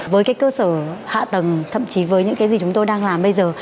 với cái cơ sở hạ tầng thậm chí với những cái gì chúng tôi đang làm bây giờ